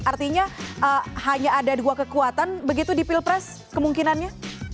artinya hanya ada dua kekuatan begitu di pilpres kemungkinannya